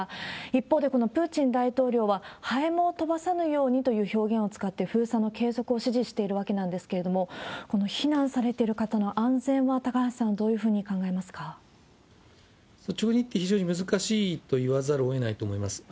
一方で、プーチン大統領は、ハエも飛ばさぬようにという表現を使って封鎖の指示しているわけなんですけれども、この避難されている方の安全は、高橋さん、どういうふうに考えま率直に言って、非常に難しいと言わざるをえないと思います。